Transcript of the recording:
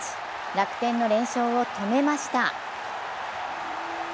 楽天の連勝を止めました。